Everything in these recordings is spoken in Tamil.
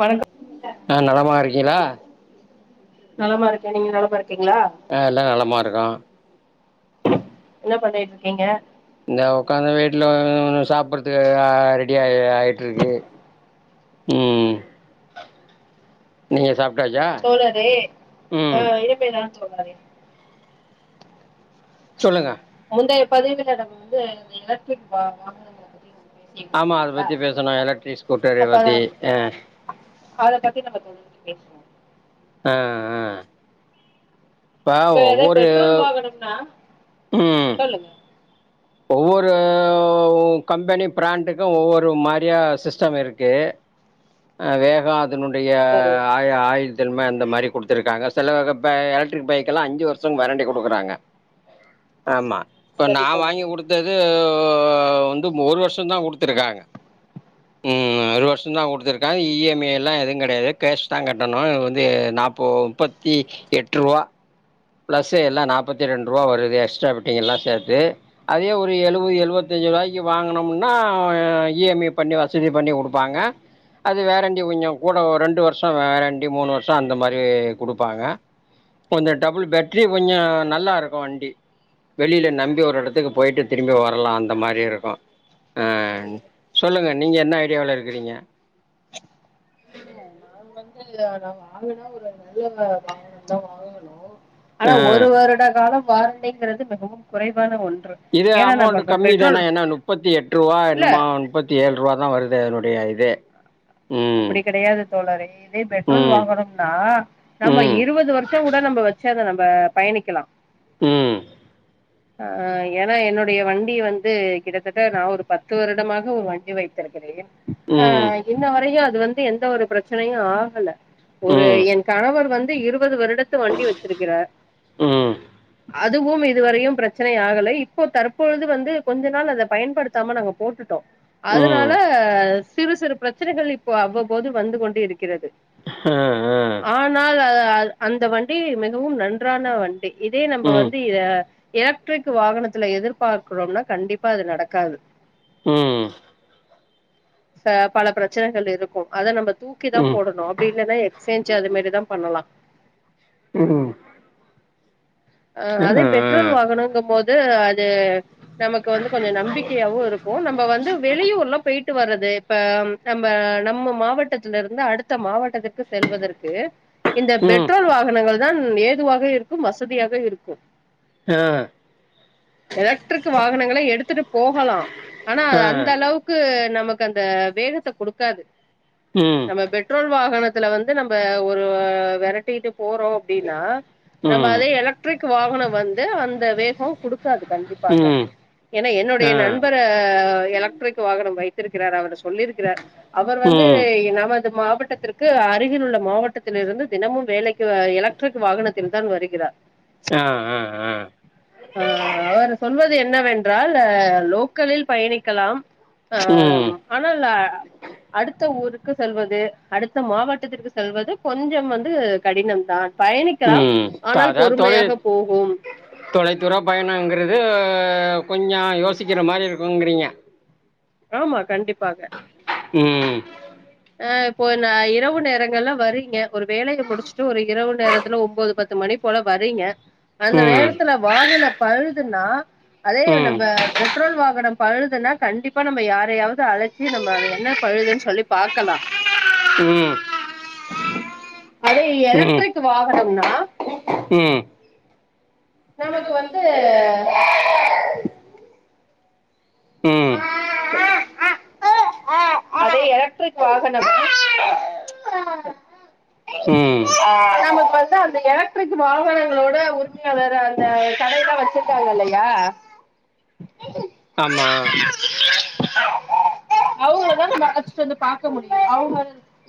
வணக்கம் ஆ நலமாக இருக்கிங்களா நலமா இருக்கே நீங்க நலமா இருக்கிங்ளா ஆ எல்லா நலமா இருக்கோ என்ன பண்ணிட்ருக்கிங்க இந்த உக்காந்து வீட்ல ஒ சாப்படுறதுக்கு ரெடியாயி ஆயிட்ருக்கு ம் நீங்க சாப்ட்டாச்சா தோழரே ஆ இனிமேதா தோழரே சொல்லுங்க முந்தைய பதிவுல நம்ம வந்து இந்த எலக்ட்ரிக் வா வாகனங்கள பத்தி நம்ம பேசிட்டு இருந்தோ ஆமா அத இல்லையா பத்தி பேசுணோ எலக்ட்ரிக் ஸ்கூட்டர அப்ப பத்தி ஆ அத பத்தி நம்ம இப்ப வந்து பேசுவோ ஆ ஆ இப்போ இப்ப எதோ ஒவ்வொரு பெட்ரோல் வாங்கணும்னா ம் சொல்லுங்க ஒவ்வொரு ஒ கம்பெனி பிராண்டுக்கு ஒவ்வொரு மாரியா சிஸ்டம் இருக்கு அ வேக அதனுடைய சரி ஆயுள் திறமை அந்த மாரி குடுத்திருக்காங்க சில வக எலக்ட்ரிக் பைக்கெலா அஞ்சு வருசன் வாரண்டி குடுக்கறாங்க ஆமா இப்ப சரி நா வாங்கி தோழரே கு டுத்துது வந்து ஒரு வருஷந்தா குடுத்துருக்காங்க ம் ஒரு வருஷந்தா குடுத்துருக்காங் இ எம் ஐ எல்லா எது கெடையாது கேஷ்தா கட்டணு இது வந்து நாப்போ முப்பத்தி எட்ருவா ப்ளஸ் எல்லா நாப்பத்தி ரெண்ட்ருவா வருது எக்ஸ்ட்ரா ஃபிட்டிங்கல்லா சேத்து அதே ஒரு எழுவது எழுவத்தஞ்சு ரூவாய்க்கு வாங்குனம்னா இஎம்ஐ பண்ணி வசதி பண்ணி கொடுப்பாங்க அது வேரண்ட்டி கொஞ்சம் கூட ரெண்டு வருஷம் வேரண்ட்டி மூணு வருஷம் அந்த மாரி கொடுப்பாங்க கொஞ்சம் டபுள் பேட்ரி கொஞ்சம் நல்லா இருக்கும் வண்டி வெளியில நம்பி ஒரு இடத்துக்கு போயிட்டு திரும்பி வரலாம் அந்த மாரி இருக்கும் ஆ சொல்லுங்க நீங்க என்ன ஐடியாவுல இருக்குறீங்க நான் வந்து நான் வாங்கினா ஒரு நல்ல வாகனம் தான் வாங்கணும் [unintelligible] ஆ ஆனா ஒரு வருட காலம் வாரண்டிங்கிறது மிகவும் குறைவான ஒன்று இது ஏன்னா நம்ம அமௌண்ட் இப்ப கம்மி தானே பெட்ரோல் ஏன்னா முப்பத்தி எட்டு ரூவா இல்ல என்னமோ முப்பத்தி ஏழு ரூவா தான் வருது அதனுடைய இதே அப்படி கிடையாது தோழரே இதே பெட்ரோல் ம் வாங்கணும்னா நம்ம ம் இருபது வருஷம் கூட நம்ம வச்சு அதை நம்ம பயணிக்கலாம் ம் ஆ ஏன்னா என்னுடைய வண்டி வந்து கிட்டத்தட்ட நான் ஒரு பத்து வருடமாக ஒரு வண்டி வைத்து இருக்கிறேன் ஆ ம் இன்ன வரையும் அது வந்து எந்த ஒரு பிரச்சனையும் ஆகல ஒரு ம் என் கணவர் வந்து இருபது வருடத்து வண்டி வச்சிருக்கிறார் ம் அதுவும் இதுவரையும் பிரச்சனை ஆகலை இப்போ தற்பொழுது வந்து கொஞ்ச நாள் அத பயன்படுத்தாம நாங்க போட்டுட்டோம் ம் அதனால சிறு சிறு பிரச்சனைகள் இப்போ அவ்வப்போது வந்து கொண்டு இருக்கிறது ஆ ஆ ஆனால் அ அந்த வண்டி மிகவும் நன்றான வண்டி இதே நம்ம வந்து ம் இத எலக்ட்ரிக் வாகனத்துல எதிர்பார்க்கறோம்னா கண்டிப்பா அது நடக்காது ம் ஆ பல பிரச்சனை பிரச்சனைகள் இருக்கும் அதை நம்ம தூக்கி தான் ம் ம் ஆ போடணும் அப்படி இல்லனா அத எக்ஸ்சேஞ்ச் அது மாதிரிதான் பண்ணலாம் ம் அ அதே பெட்ரோல் ஆ வாகனம்ங்க போது அது நமக்கு வந்து கொஞ்சம் நம்பிக்கையாவும் இருக்கும் நம்ம வந்து வெளியூர் எலாம் போயிட்டு வர்றது இப்ப நம்ம நம்ம மாவட்டத்தில இருந்து அடுத்த மாவட்டத்திற்கு செல்வதற்கு இந்த ம் பெட்ரோல் வாகனங்கள் தான் ஏதுவாக இருக்கும் வசதியாக இருக்கும் ம் எலக்ட்ரிக் வாகனங்களை எடுத்துட்டு போகலாம் ஆனா அது ஆ அந்த அளவுக்கு க்கு நமக்கு அந்த வேகத்தை கொடுக்காது ம் நம்ம பெட்ரோல் வாகனத்துல வந்து நம்ம ஒரு விரட்டிட்டு போறோம் அப்படின்னா ம் அதே எலக்ட்ரிக் வாகனம் வந்து அந்த வேகம் குடுக்காது கண்டிப்பாக ம் ஏன்னா என்னுடைய ஆ நண்பர் எலக்ட்ரிக் வாகனம் வைத்திருக்கிறார் அவர் சொல்லியிருக்கிறார் அவர் வந்து ம் நமது மாவட்டத்திற்கு அருகில் உள்ள மாவட்டத்தில் இருந்து தினமும் வேலைக்கு இல ட்ரிக் வாகனத்தில்தான் வரு ஆ ஆ ஆ ஆ அவர் சொல்வது என்னவென்றால் லோக்கலில் பயணிக்கலாம் ஆ ம் ஆனால் அடுத்த ஊருக்கு செல்வது அடுத்த மாவட்டத்திற்கு செல்வது கொஞ்சம் வந்து கடினம் தான் பயணிக்கலாம் ம் ஆனால் அதா தொலை பொறுமையாக போகும் தொலைத்தூர பயணங்கிறது கொஞ்சம் யோசிக்கிற மாதிரி இருக்குங்கிறீங்க ஆமா கண்டிப்பாக ம் ஆ இப்போ இரவு நேரங்கள்ல வரீங்க ஒரு வேலையை முடிச்சுட்டு ஒரு இரவு நேரத்துல ஒன்போது பத்து பத்து மணி போல வரீங்க அந்த ம் நேரத்துல வாகன பழுதுன்னா அதே ம் நம்ம பெட்ரோல் வாகனம் பழுதுன்னா கண்டிப்பா நம்ம யாரையாவது அழச்சி நம்ம அத என்ன பழுதுன்னு சொல்லி பாக்கலா ம் அதே ம் எலக்ட்ரிக் வாகனம்னா ம் நமக்கு வந்து ம் அது எலக்ட்ரிக் வாகனம் ம் நமக்கு வந்து அந்த எலக்ட்ரிக் வாகனங்களோட வேற அந்த கடையெல்லா வெச்சிருக்காங்க இல்லயா ஆமா அவங்களதா நம்ம அளச்சுட்டு வந்து பாக்க முடியு அவங்க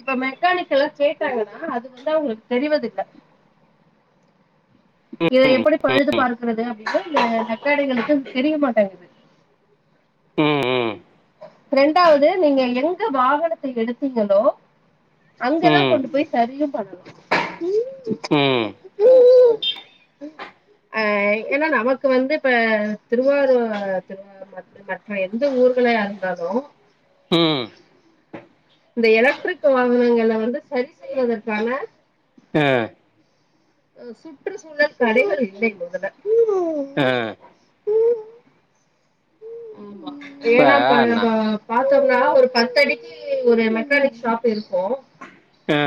இப்ப மெக்கானிக்கிட்ட எல்லா கேட்டாங்கன்னா அது வந்து அவங்களுக்கு தெரிவதில்ல இத எப்படி பழுது பாக்கிறது அப்படின்னு அந்த மெக்கானிக்களுக்கு தெரியமாட்டேங்கது ம் ம் ரெண்டாவது நீங்க எங்க வாகனத்த எடுத்தீங்களோ அங்கதா ம் கொண்டு போய் சரியு பண்ணு ம் ஆ ஏன்னா நமக்கு வந்து இப்ப திருவாரூர் திரு மற்ற மற்ற எந்த ஊர்களா இருந்தாலு ம் இந்த எலக்ட்ரிக் வாகனங்கள வந்து சரி செய்வதற்கான ஆ சுற்று சூழல் கடைகள் இல்லை மொதல்ல ஆ ஆமா ஏன்னா இப்ப நம்ப பாத்தோம்னா ஒரு பத்து அடிக்கு ஒரு மெக்கானிக் ஷாப் இருக்கு ஆ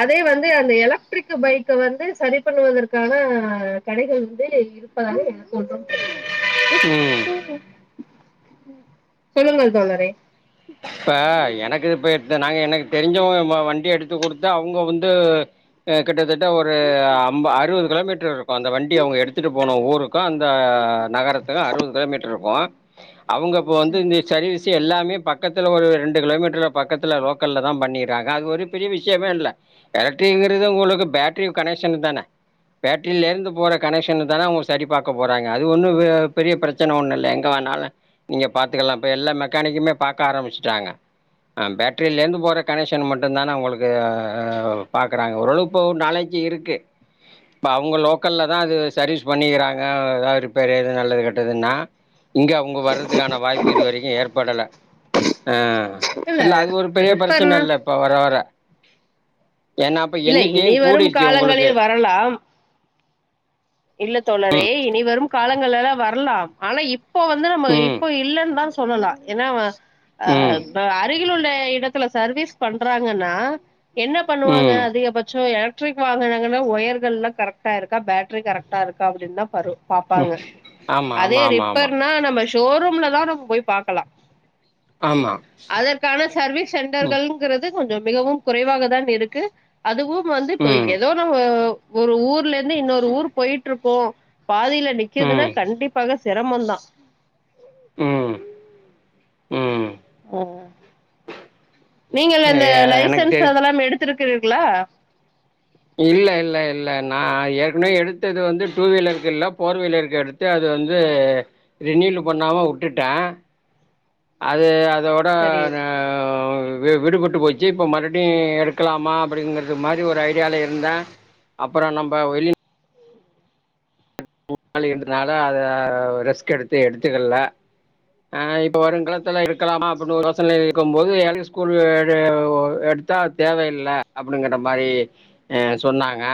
அதே வந்து அந்த எலக்ட்ரிக் பைக்க வந்து சரி பண்ணுவதற்கான கடைகள் வந்து இருப்பதாக எனக்கொன்றும் தெரியவில்லை ம் சொல்லுங்கள் தோழரே இப்ப எனக்கு இப்ப நாங்க எனக்கு தெரிஞ்சவுங்க வண்டி எடுத்து குடுத்து அவுங்க வந்து ஆ கிட்டத்தட்ட ஒரு ஐம்ப அறுவது கிலோமீட்டர் இருக் இப்ப அந்த வண்டி அவுங்க எடுத்துட்டு போன ஊருக்கு நகரத்துக்கு அறுவது கிலோமீட்டர் இருக்கு அவுங்க இப்போ வந்து சரி, இந்த சர்வீஸ்சு எல்லாமே பக்கத்துல ஒரு ரெண்டு கிலோ மீட்டர்ல பக்கத்துல லோக்கல்ல தா பண்ணிறாங்க அது ஒரு பெரிய விஷயமே இல்ல எலக்ட்ரி இங்கறது உங்களுக்கு பேட்டரியு கனெக்ஷன் தானே பேட்ரில இருந்து போற கனெக்ஷன் தானே அவுங்க சரி பாக்க போறாங்க அது ஒன்னு பெரிய பிரச் பிரச்சன ஒண்ணு இல்ல எங்க வேணாலு நீங்க பாத்துக்கலா இப்ப எல்லா மெக்கானிக்குமே பாக்க ஆரம்பிச்சுட்டாங்க ஆ பேட்ரிலருந்து போற கனெக்ஷன் மட்டு தானே அவுங்களுக்கு ப பாக்குறாங்க ஓரளவு இப்போ நாலே ஜ் இருக்கு இப்ப அவுங்க லோக்கல் தா அது சர்வீஸ் பண்ணிக்கிறாங்க ஏதாவது ரிப்பேரு எது நல்லது கெட்டதுன்னா இங்க அவுங்க வர்றதுக்கான வாய்ப்பு இது வரைக்கு ஏற்படல ஆ இல்ல அது ஒரு பெரிய பிரச்சன ரிப்பேர்னா இல்ல இப்ப வர வர ஏன்னா அப்ப இல்ல இனி எண்ணிக்கையும் வரும் கூடிடுச்சு உங்களுக்கு காலங்களில் வரலாம் இல்ல தோழரே இனி வரும் காலங்கள்ல்லாம் வரலாம் ஆனா இப் போ வந்து நம்ம ம் இப்போ இல்லன்னு தான் சொல்லலாம் ஏன்னா அ ம் அருகில் உள்ள எடத்துல சர்வீஸ் பண்றாங்கன்னா என்ன பண்ணுவாங்க ம் அதிகபட்சம் எலக்ட்ரிக் வாகனங்கள்ல ஒயர்கள்லாம் கரெக்டா இருக்கா பேட் ரி கரெக்டா இருக்க அப்டின் தான் பரு ம் பாப்பாங்க ஆமாம் அதே ஆமாம் ஆமாம் ரிப்பேர்னா நம்ம ஸ் ஸ்டோர் ரூம்ல தான் நம்ம போய் பாக்கலாம் ஆமாம் ஆமாம் அதற்கான சர்வீஸ் ம் சென்டர்கள் இருக்குறது கொஞ்சம் மிகவும் குறைவாக தான் இருக்கு அதுவும் வந்து இப்ப ஏதோ நம்ம ஒரு ஊர்லருந்து இன்னொரு ஊர் போயிட்டு இருப்போம் பாதில நிக்குதுன்னா ம் கண்டிப்பாக செரமோ தான் ம் ம் ம் நீங்கள் இந்த எனக்கு லைசன்ஸ் தெரி அதெல்லாம் எடுத்திருக்கிறீங்களா இல்ல இல்ல இல்ல நா ஏற்கனவே எடுத்தது வந்து டூ வீலருக்கு இல்ல போர் வீலருக்கு எடுத் து அது வந்து ரினிவல் பண்ணாம வுட்டுட்டேன் அது அதோட சரி ந வி விடுபட்டு போச்சு இப்போ மறுபடியும் எடுக்கலாமா அப்டிங்கிறது மாரி ஒரு ஐடியால இருந்தேன் அப்றோ நம்ப வெளி மூணு நாள் இரண்டு நாள அத ரெஸ்க் எடுத்து எடுத்துக்கல ஆ இப்போ வரும் காலத்துல இருக்கலாமா அப்டின்னு யோசனை இருக்கும் போது [unintelligible] ஸ்கூல் எடு த்தா தேவயில்ல அப்டிங்கிற மாரி ஆ சொன்னாங்க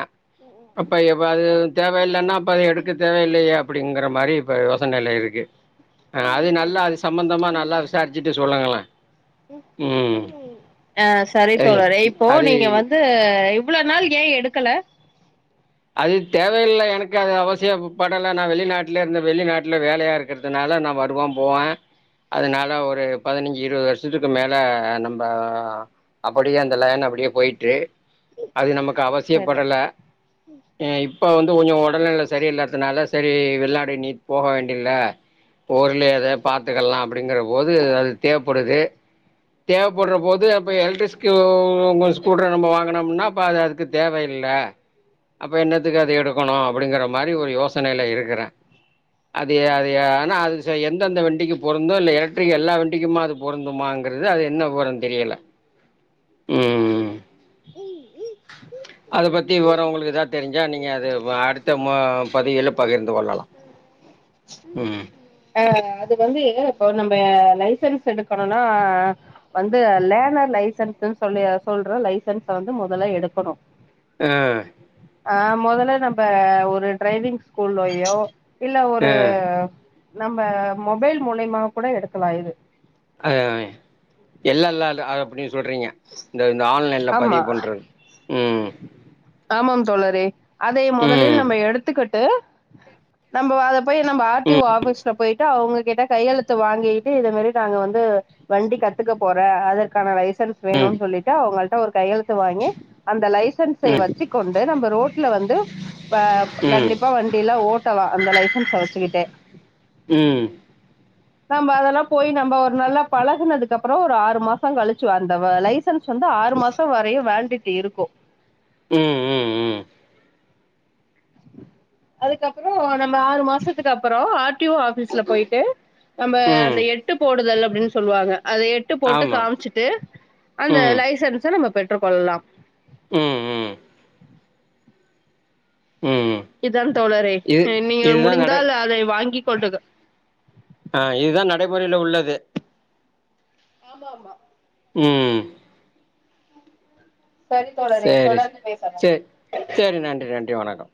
அப்ப எப்ப அது தேவ இல்லன்னா அப்ப எடு க்கு தேவயில்லயே அப்டிங்கிற மாரி இப்ப யோசனைல இருக்கு ஆ அது நல்லா அது சம்பந்தமா நல்லா விசாரிச்சுட்டு சொல்லுங்களேன் ஆ செரி அது தோழரே இப்போ அது நீங்க வந்து இவ்ளோ நாள் ஏன் எடுக்கல அது தேவையில்ல எனக்கு அது அவசியம் படல நான் வெளிநாட்டுல இருந்து வெளிநாட்டுல வேலையா இருக்கு றதுனால நான் வருவேன் போவேன் அதனால ஒரு பதினைஞ்சு இருபது வருஷம் வருஷத்துக்கு மேல நம்ம அப்டியே அந்த லைன்ல அப்டியே போயிட்டு அது நமக்கு சரி அவசியப்படல ஆ இப்ப வந்து கொஞ்சம் உடல்நில சரியில்ல சொன்னதனால செரி வெளிநாடு நீ போக வேண்டியதல்ல ஊருலயே அத பாத்துக்கலாம் அப்டிங்கிற போது அது தேவைப்படுது தேவைப்படும்போது அப்போ எலக்ட்ரிக் ஸ்கூட்ரை நம்ம வாங்கினோம்னா அப்போ அது அதுக்கு தேவையில்ல அப்ப என்னத்துக்கு அதை எடுக்கணும் அப்டிங்கற மாதிரி ஒரு யோசனையில இருக்கறேன் அது அது ஆனா அது எந்தந்த வண்டிக்கு போறு இந்த எலக்ட்ரிக் எல்லா வண்டிக்குமா அது பொருந்துமாங்கறது அது என்ன வெவரம் தெரில அதை பத்தி விவரம் உங்களுக்கு ஏதா தெரிஞ்சா நீங்கள் அது அடுத்த பதிவில் பகிர்ந்து கொள்ளலாம் ம் ஆ அது வந்து இப்போ நம்ம லைசன்ஸ் எடுக்கணும்னா வந்து லேனர் லைசன்ஸ்ன்னு சொல்லி சொல்ற லைசன்ஸ் வந்து முதல்ல எடுக்கணும் ஆ ஆ முதல்ல நம்ப ஒரு டிரைவிங் ஸ்கூல்லயோ இல்ல ஒரு நம்ம மொபைல் மூலியமா கூட எடுக்கலா இது அதே அதே எல் எல் ஆர் அப்டி சொல்றீங்க இந்த இந்த ஆன்லைன்ல ஆமா பதிவு பண்றது ம் ஆமாம் தோழரே அதை முதலில் ம் எடுத்துக்கிட்டு நம்ம அத போயி நம்ம ஆர் டி ம் ஓ ஆபிஸ் க்கு போயிட்டு அவங்க கிட்ட கையெழுத்து வாங்கிட்டு இத மாதிரி நாங்க வந்து வண்டி கத்துக்க போற அதற்கான லைசன்ஸ் ம் வேணுன்னு சொல்லிட்டு அவங்கள்ட்ட ஒரு கையெழுத்து வாங்கி அந்த லைஸ் சன்ஸ் ம் வச்சுக்கொண்டு நம்ம ரோட்ல வந்து அ ம் கண்டிப்பா வண்டியிலா ஓட்டலா அந்த லைசன்ஸ வச்சுக்கிட்டே ம் நம்ம அதெல்லா போய் நம்ம ஒரு நல்லா பழகுனதுக்கு அப்புறோ ஒரு ஆறு மாசம் கழிச்சி அந்த வ லைஸ் சன்ஸ் வந்து ஆறு மாசம் வரையு வேலிடிட்டி இருக்கு ம் ம் ம் அதுக்கு அப்பறோ நம்ம ஆறு மாசத்துக்கு அப்புறோ ஆர் டி ஓ ஆபீஸ்ல போயிட்டு நம்ம ம் அந்த எட்டு போடுதல் அப்டின்னு சொல்லுவாங்க அத எட் டு போட்டு ஆமா காமிச்சிட்டு அந்த ம் லைசன்ஸ நம்ம பெற்றுக்கொள்ளலாம் ம் ம் ம் இதுதான் தோழரே இது நீங்க இதுதான் நட முடிந்தால் அதை வாங்கி் கொண்டு ஆ இதுதான் நடைமுறையில உள்ளது ஆமா ஆமா ம் சரி தோழரே சேரி தொடர்ந்து பேசலாம் சேரி சேரி நன்றி நன்றி வணக்கம்